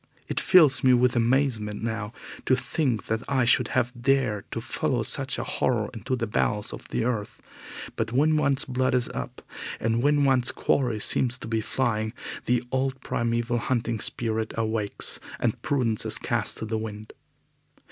It fills me with amazement now to think that I should have dared to follow such a horror into the bowels of the earth, but when one's blood is up, and when one's quarry seems to be flying, the old primeval hunting spirit awakes and prudence is cast to the wind.